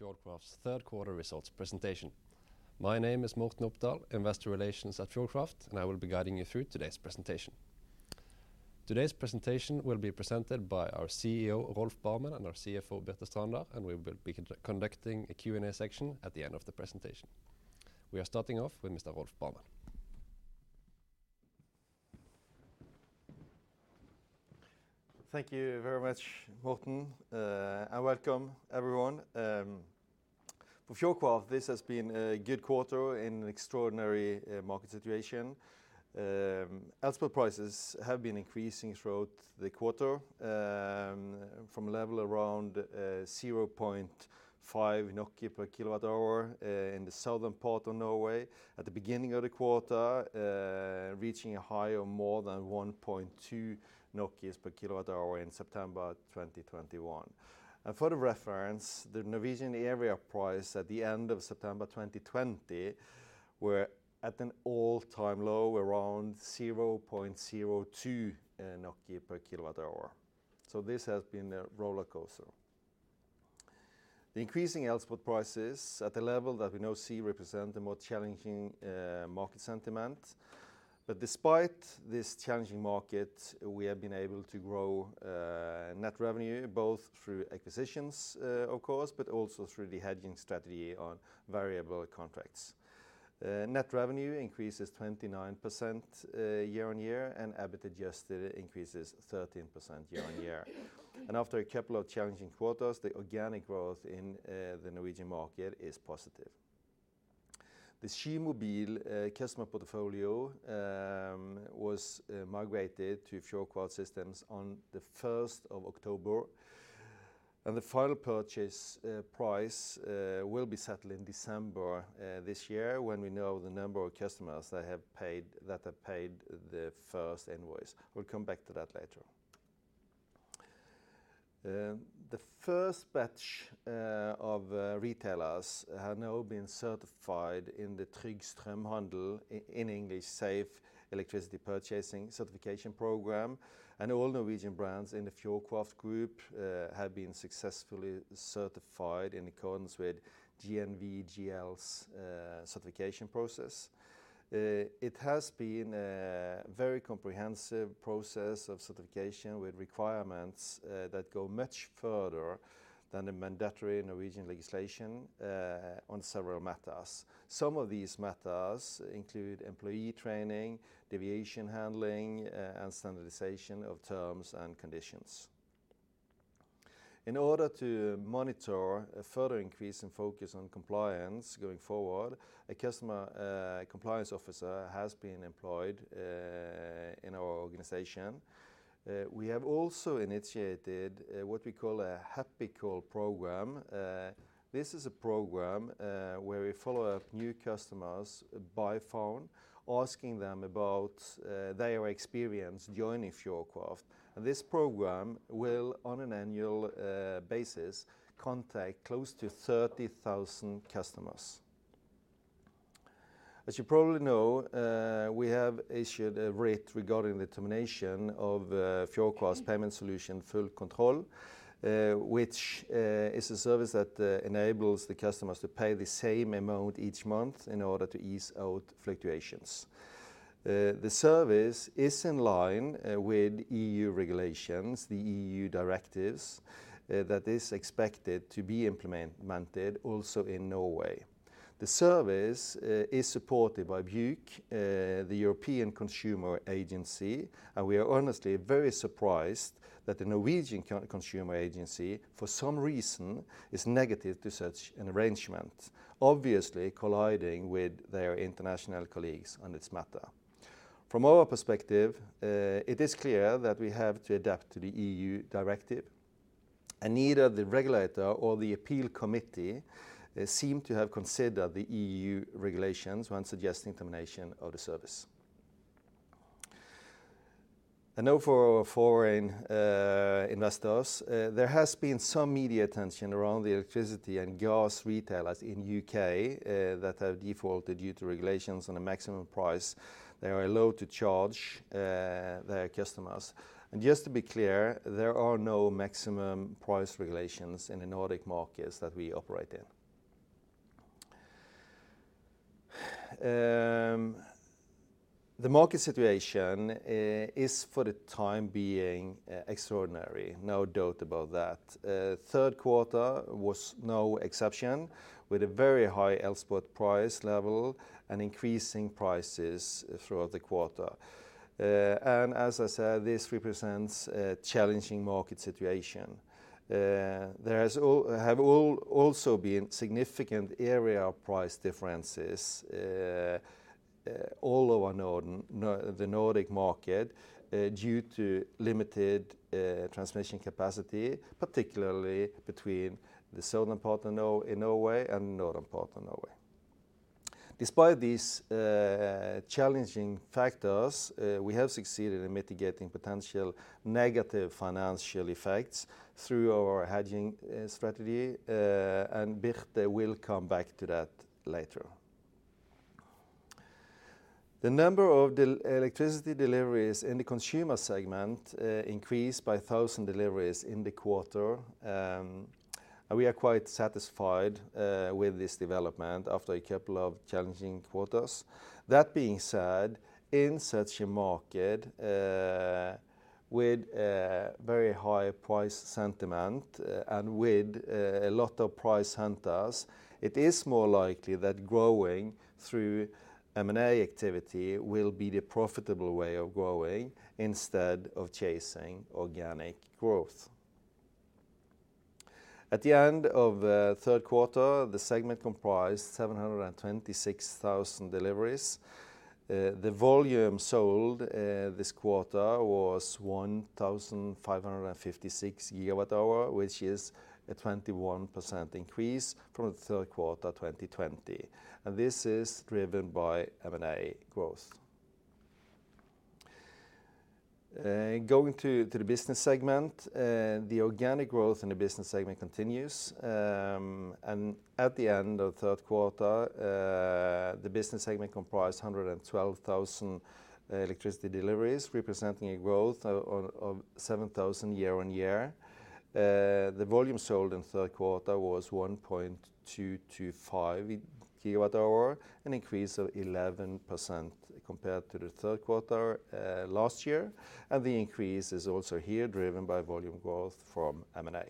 Welcome to Fjordkraft's third quarter results presentation. My name is Morten Opdal, Investor Relations at Fjordkraft, and I will be guiding you through today's presentation. Today's presentation will be presented by our CEO, Rolf Barmen, and our CFO, Birte Strander, and we will be conducting a Q and A section at the end of the presentation. We are starting off with Mr. Rolf Barmen. Thank you very much, Morten. Welcome everyone. For Fjordkraft, this has been a good quarter in extraordinary market situation. Spot prices have been increasing throughout the quarter from a level around 0.5 per kWh in the southern part of Norway at the beginning of the quarter, reaching a high of more than 1.2 per kWh in September 2021. For the reference, the Norwegian area price at the end of September 2020 were at an all-time low, around 0.02 per kWh. This has been a rollercoaster. The increasing spot prices at the level that we now see represent a more challenging market sentiment. Despite this challenging market, we have been able to grow net revenue, both through acquisitions, of course, but also through the hedging strategy on variable contracts. Net revenue increases 29% year-on-year, and EBIT adjusted increases 13% year-on-year. After a couple of challenging quarters, the organic growth in the Norwegian market is positive. The Skymobil customer portfolio was migrated to Fjordkraft systems on the first of October. The final purchase price will be settled in December this year when we know the number of customers that have paid the first invoice. We'll come back to that later. The first batch of retailers have now been certified in the Trygg Strømhandel, in English, Safe Electricity Purchasing Certification Program. All Norwegian brands in the Fjordkraft group have been successfully certified in accordance with DNV GL's certification process. It has been a very comprehensive process of certification with requirements that go much further than the mandatory Norwegian legislation on several matters. Some of these matters include employee training, deviation handling, and standardization of terms and conditions. In order to monitor a further increase in focus on compliance going forward, a customer compliance officer has been employed in our organization. We have also initiated what we call a happy call program. This is a program where we follow up new customers by phone asking them about their experience joining Fjordkraft. This program will, on an annual basis, contact close to 30,000 customers. As you probably know, we have issued a writ regarding the termination of Fjordkraft's payment solution, Full Control, which is a service that enables the customers to pay the same amount each month in order to even out fluctuations. The service is in line with EU regulations, the EU directives, that is expected to be implemented also in Norway. The service is supported by BEUC, the European Consumer Organisation, and we are honestly very surprised that the Norwegian Consumer Authority, for some reason, is negative to such an arrangement, obviously colliding with their international colleagues on this matter. From our perspective, it is clear that we have to adapt to the EU directive and neither the regulator or the appeal committee seem to have considered the EU regulations when suggesting termination of the service. I know for our foreign investors, there has been some media attention around the electricity and gas retailers in U.K. that have defaulted due to regulations on a maximum price they are allowed to charge their customers. Just to be clear, there are no maximum price regulations in the Nordic markets that we operate in. The market situation is for the time being extraordinary. No doubt about that. Third quarter was no exception with a very high export price level and increasing prices throughout the quarter. As I said, this represents a challenging market situation. There has also been significant area price differences all over the Nordic market due to limited transmission capacity, particularly between the southern part of Norway and northern part of Norway. Despite these challenging factors, we have succeeded in mitigating potential negative financial effects through our hedging strategy, and Birte will come back to that later. The number of electricity deliveries in the consumer segment increased by 1,000 deliveries in the quarter, and we are quite satisfied with this development after a couple of challenging quarters. That being said, in such a market with a very high price sentiment and with a lot of price hunters, it is more likely that growing through M&A activity will be the profitable way of growing instead of chasing organic growth. At the end of the third quarter, the segment comprised 726,000 deliveries. The volume sold this quarter was 1,556 GWh, which is a 21% increase from the third quarter 2020, and this is driven by M&A growth. Going to the business segment, the organic growth in the business segment continues, and at the end of third quarter, the business segment comprised 112,000 electricity deliveries, representing a growth of 7,000 year-on-year. The volume sold in third quarter was 1.225 GWh, an increase of 11% compared to the third quarter last year, and the increase is also here driven by volume growth from M&A.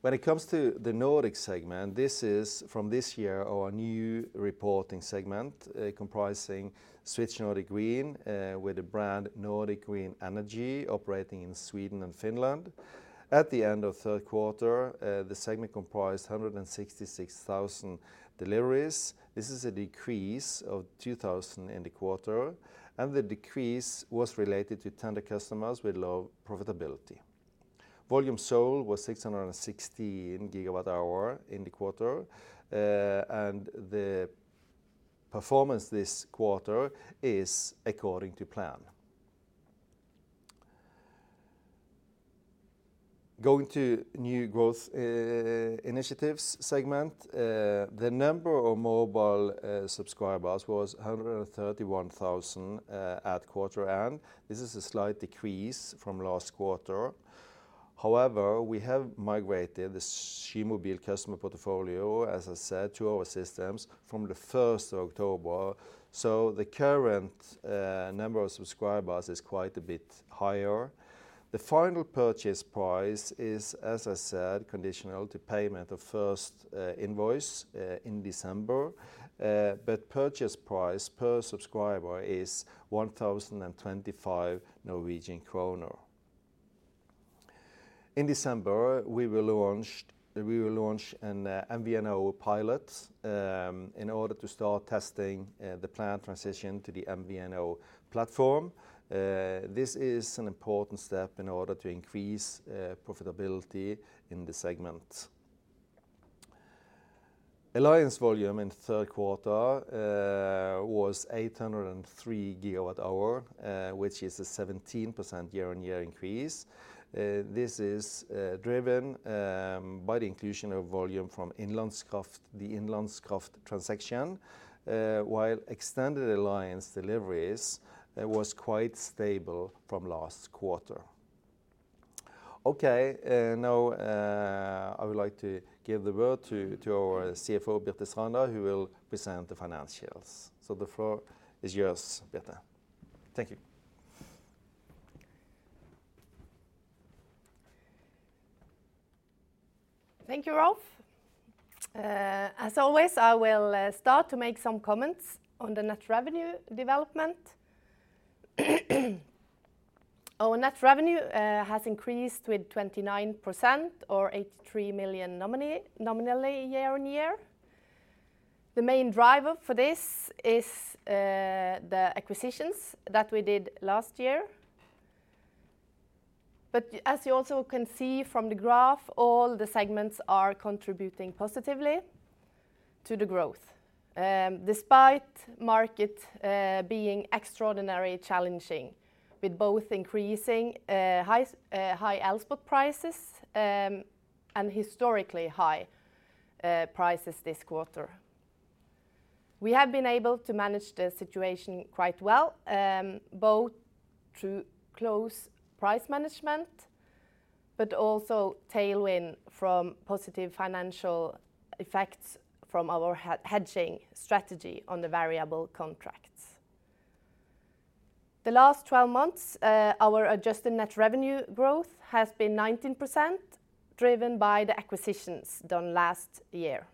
When it comes to the Nordic Segment, this is from this year our new reporting segment, comprising Switch Nordic Green, with the brand Nordic Green Energy operating in Sweden and Finland. At the end of third quarter, the segment comprised 166,000 deliveries. This is a decrease of 2,000 in the quarter, and the decrease was related to tender customers with low profitability. Volume sold was 616 GWh in the quarter, and the performance this quarter is according to plan. Going to new growth initiatives segment, the number of mobile subscribers was 131,000 at quarter end. This is a slight decrease from last quarter. However, we have migrated the Skymobil customer portfolio, as I said, to our systems from the 1st of October, so the current number of subscribers is quite a bit higher. The final purchase price is, as I said, conditional to payment of first invoice in December, but purchase price per subscriber is 1,025 Norwegian kroner. In December, we will launch an MVNO pilot in order to start testing the planned transition to the MVNO platform. This is an important step in order to increase profitability in the segment. Alliance volume in third quarter was 803 GWh, which is a 17% year-on-year increase. This is driven by the inclusion of volume from Innlandskraft, the Innlandskraft transaction, while extended alliance deliveries was quite stable from last quarter. Okay, now I would like to give the word to our CFO, Birte Strander, who will present the financials. The floor is yours, Birte. Thank you. Thank you, Rolf. As always, I will start to make some comments on the net revenue development. Our net revenue has increased with 29% or 83 million nominally year-over-year. The main driver for this is the acquisitions that we did last year. As you also can see from the graph, all the segments are contributing positively to the growth, despite market being extraordinarily challenging, with both increasing high spot prices and historically high prices this quarter. We have been able to manage the situation quite well, both through close price management, but also tailwind from positive financial effects from our hedging strategy on the variable contracts. The last 12 months, our adjusted net revenue growth has been 19%, driven by the acquisitions done last year.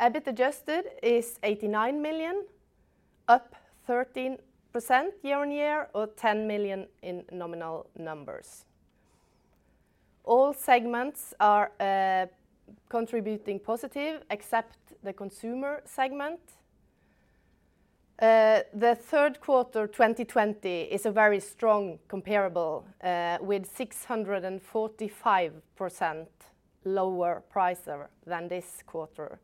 EBIT adjusted is 89 million, up 13% year-on-year or 10 million in nominal numbers. All segments are contributing positive except the Consumer segment. The third quarter 2020 is a very strong comparable with 645% lower price than this quarter.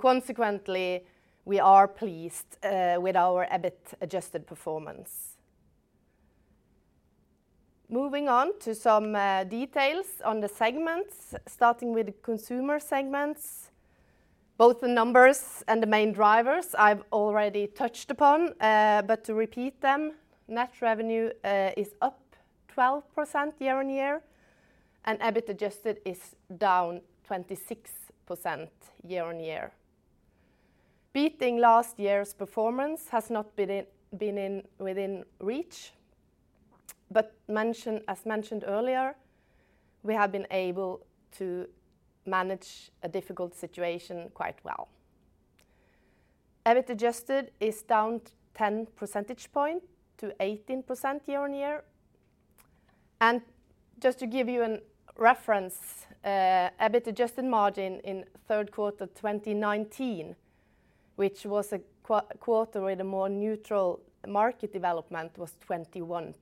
Consequently, we are pleased with our EBIT-adjusted performance. Moving on to some details on the segments, starting with the Consumer segments. Both the numbers and the main drivers I've already touched upon, but to repeat them, net revenue is up 12% year-on-year, and EBIT adjusted is down 26% year-on-year. Beating last year's performance has not been within reach, but, as mentioned earlier, we have been able to manage a difficult situation quite well. EBIT adjusted is down 10 percentage points to 18% year-on-year. Just to give you a reference, EBIT adjusted margin in third quarter 2019, which was a quarter with a more neutral market development, was 21%.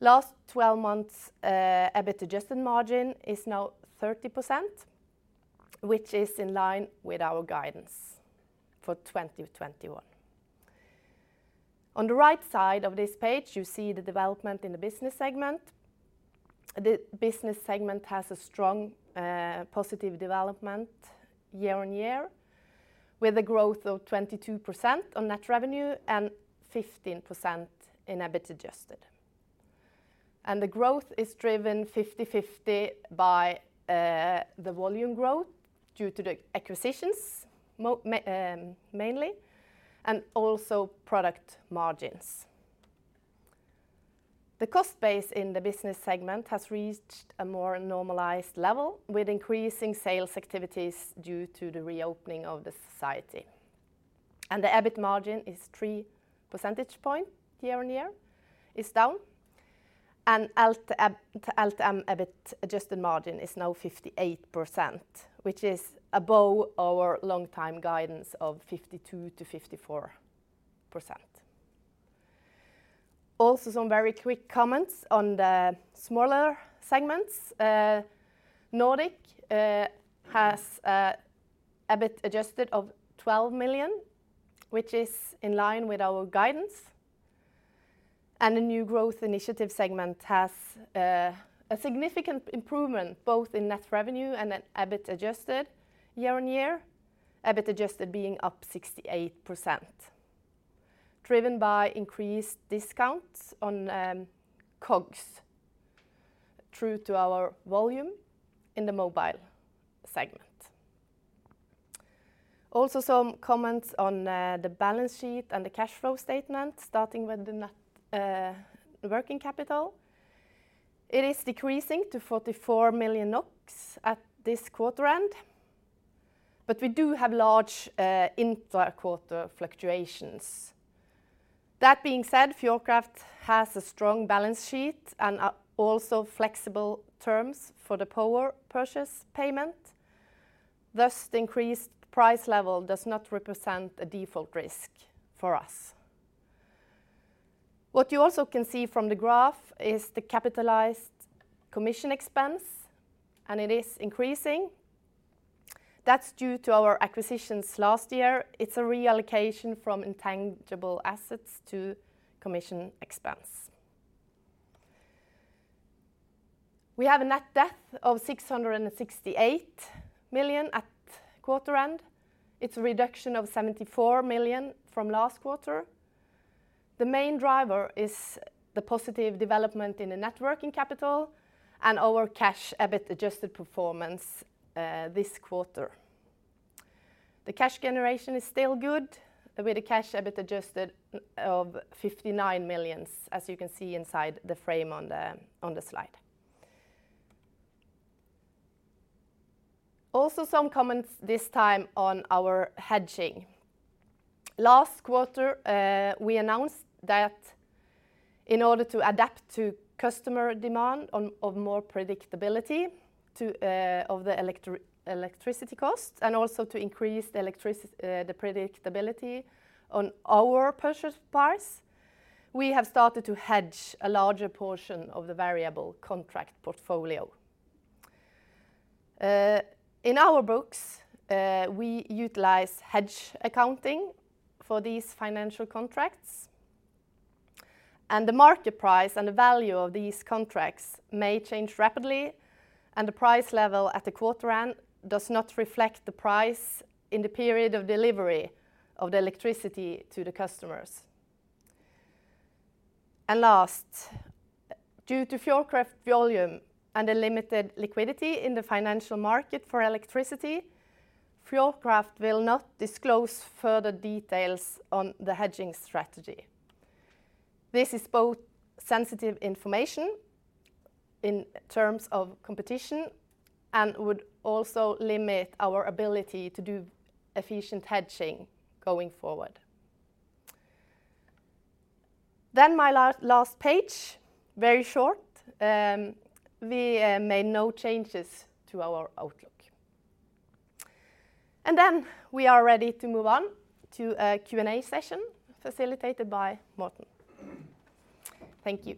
Last 12 months, EBIT adjusted margin is now 30%, which is in line with our guidance for 2021. On the right side of this page, you see the development in the business segment. The business segment has a strong, positive development year-on-year, with a growth of 22% on net revenue and 15% in EBIT adjusted. The growth is driven 50/50 by the volume growth due to the acquisitions, mainly, and also product margins. The cost base in the business segment has reached a more normalized level with increasing sales activities due to the reopening of the society. The EBIT margin is 3 percentage points year-on-year down. LTM EBIT adjusted margin is now 58%, which is above our long-time guidance of 52%-54%. Also, some very quick comments on the smaller segments. Nordic has EBIT adjusted of 12 million, which is in line with our guidance. The new growth initiative segment has a significant improvement both in net revenue and in EBIT adjusted year on year, EBIT adjusted being up 68%, driven by increased discounts on COGS due to our volume in the mobile segment. Also some comments on the balance sheet and the cash flow statement, starting with the net working capital. It is decreasing to 44 million NOK at this quarter end, but we do have large inter-quarter fluctuations. That being said, Fjordkraft has a strong balance sheet and also flexible terms for the power purchase payment. Thus, the increased price level does not represent a default risk for us. What you also can see from the graph is the capitalized commission expense, and it is increasing. That's due to our acquisitions last year. It's a reallocation from intangible assets to commission expense. We have a net debt of 668 million at quarter end. It's a reduction of 74 million from last quarter. The main driver is the positive development in the net working capital and our cash EBIT adjusted performance this quarter. The cash generation is still good with a cash EBIT adjusted of 59 million, as you can see inside the frame on the slide. Also some comments this time on our hedging. Last quarter, we announced that in order to adapt to customer demand for more predictability of the electricity costs and also to increase the predictability on our purchase price, we have started to hedge a larger portion of the variable contract portfolio. In our books, we utilize hedge accounting for these financial contracts, and the market price and the value of these contracts may change rapidly, and the price level at the quarter end does not reflect the price in the period of delivery of the electricity to the customers. Last, due to Fjordkraft volume and the limited liquidity in the financial market for electricity, Fjordkraft will not disclose further details on the hedging strategy. This is both sensitive information in terms of competition and would also limit our ability to do efficient hedging going forward. My last page, very short, we made no changes to our outlook. We are ready to move on to a Q and A session facilitated by Morten. Thank you.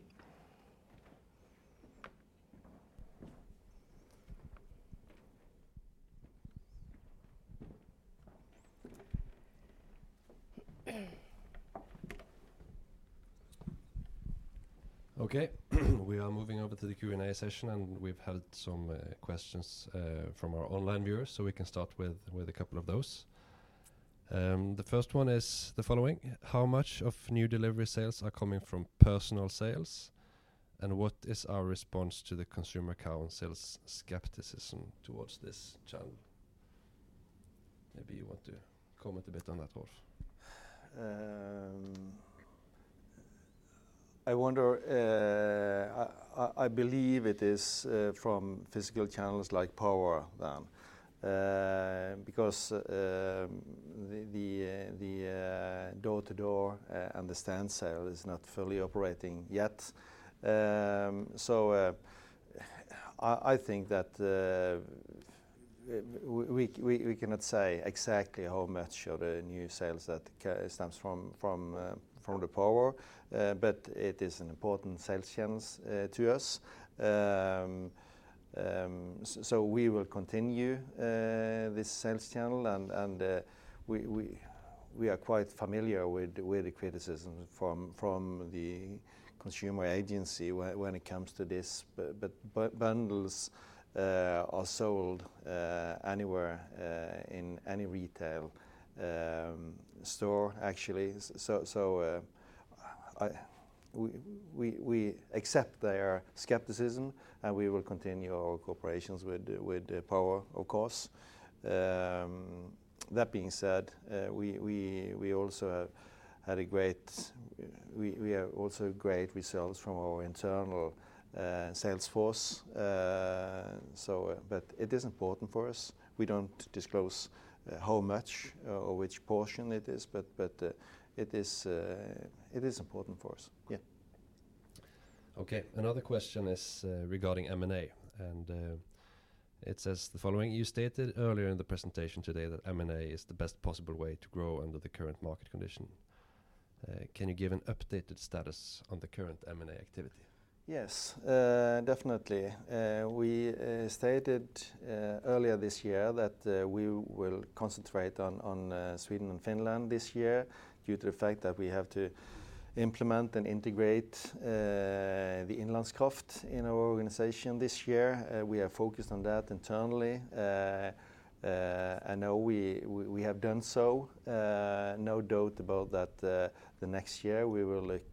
Okay. We are moving over to the Q and A session, and we've had some questions from our online viewers, so we can start with a couple of those. The first one is the following: How much of new delivery sales are coming from personal sales, and what is our response to the consumer account sales skepticism towards this channel? Maybe you want to comment a bit on that, Rolf. I wonder, I believe it is from physical channels like Power then, because the door-to-door and the stand sale is not fully operating yet. I think that we cannot say exactly how much of the new sales that stems from the Power, but it is an important sales channels to us. We will continue this sales channel and we are quite familiar with the criticism from the consumer agency when it comes to this. Bundles are sold anywhere in any retail store, actually. We accept their skepticism, and we will continue our cooperation with Power, of course. That being said, we have also great results from our internal sales force. It is important for us. We don't disclose how much or which portion it is, but it is important for us. Yeah. Okay. Another question is, regarding M&A, and, it says the following: You stated earlier in the presentation today that M&A is the best possible way to grow under the current market condition. Can you give an updated status on the current M&A activity? Yes, definitely. We stated earlier this year that we will concentrate on Sweden and Finland this year due to the fact that we have to implement and integrate the Innlandskraft in our organization this year. We are focused on that internally. Now we have done so. No doubt about that. The next year, we will look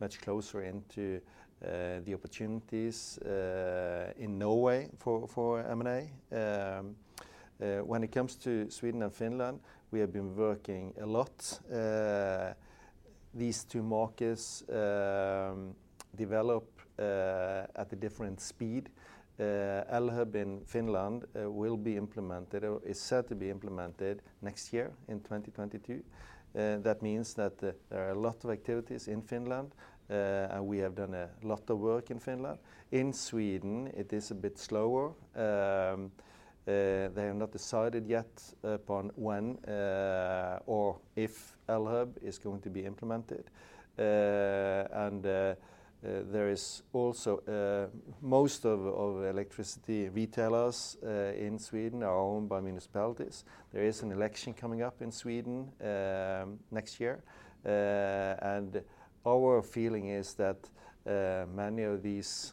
much closer into the opportunities in Norway for M&A. When it comes to Sweden and Finland, we have been working a lot. These two markets develop at a different speed. Elhub in Finland will be implemented or is set to be implemented next year in 2022. That means that there are a lot of activities in Finland, and we have done a lot of work in Finland. In Sweden, it is a bit slower. They have not decided yet upon when or if Elhub is going to be implemented. There is also most of electricity retailers in Sweden are owned by municipalities. There is an election coming up in Sweden next year. Our feeling is that many of these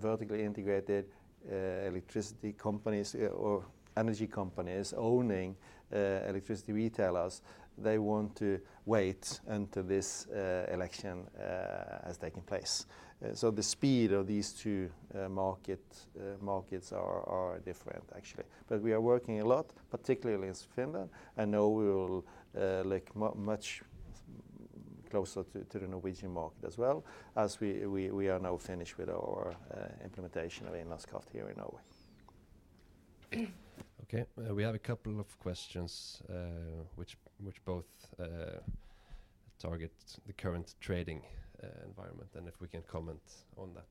vertically integrated electricity companies or energy companies owning electricity retailers, they want to wait until this election has taken place. The speed of these two markets are different actually. We are working a lot, particularly in Finland, and now we will look much closer to the Norwegian market as well as we are now finished with our implementation of Innlandskraft here in Norway. Okay. We have a couple of questions, which both target the current trading environment and if we can comment on that.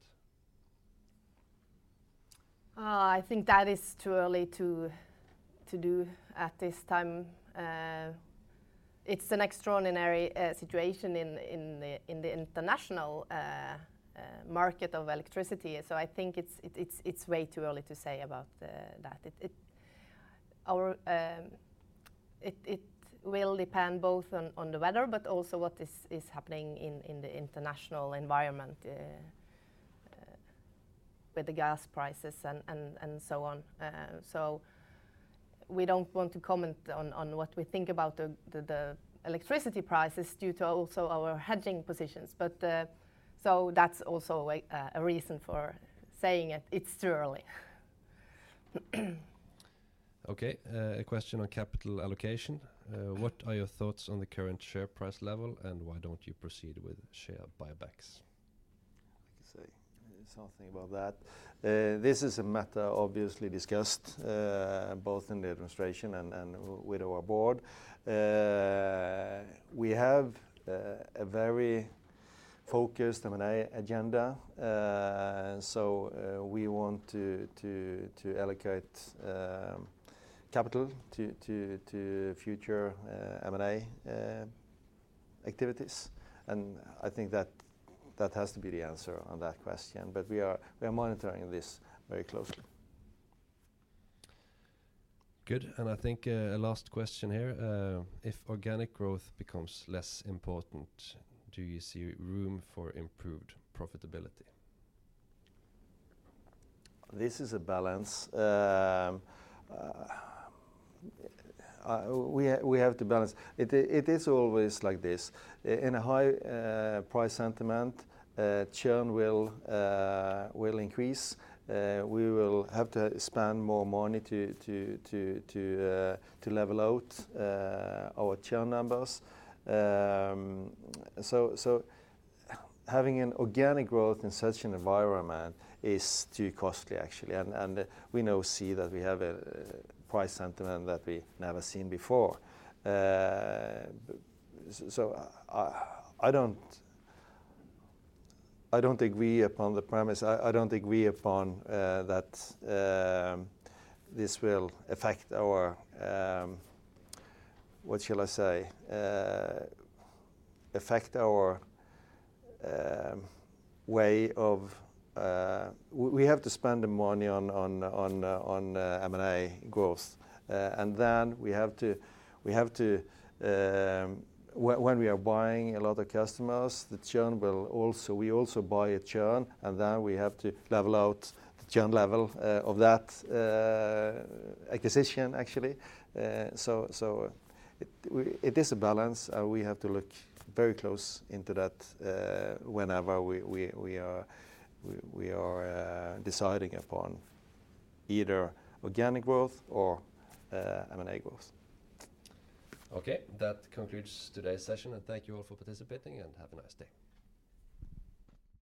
I think that is too early to do at this time. It's an extraordinary situation in the international market of electricity. I think it's way too early to say about that. It will depend both on the weather, but also what is happening in the international environment with the gas prices and so on. We don't want to comment on what we think about the electricity prices due to also our hedging positions. That's also a reason for saying it's too early. Okay. A question on capital allocation. What are your thoughts on the current share price level, and why don't you proceed with share buybacks? I can say something about that. This is a matter obviously discussed both in the administration and with our board. We have a very focused M&A agenda, so we want to allocate capital to future M&A activities. I think that has to be the answer on that question. We are monitoring this very closely. Good. I think a last question here. If organic growth becomes less important, do you see room for improved profitability? This is a balance. We have to balance. It is always like this. In a high price sentiment, churn will increase. We will have to spend more money to level out our churn numbers. Having an organic growth in such an environment is too costly, actually. We now see that we have a price sentiment that we never seen before. I don't agree upon the premise. I don't agree upon that this will affect our way of. We have to spend the money on M&A growth. We have to, when we are buying a lot of customers, we also buy a churn, and then we have to level out the churn level of that acquisition, actually. It is a balance, and we have to look very close into that whenever we are deciding upon either organic growth or M&A growth. Okay. That concludes today's session. Thank you all for participating, and have a nice day.